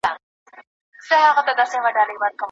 ليکوال يو نوی رمان ليکلی دی.